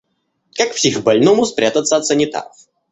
Как психбольному спрятаться от санитаров?